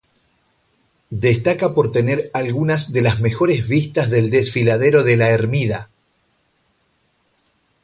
Destaca por tener algunas de las mejores vistas del desfiladero de La Hermida.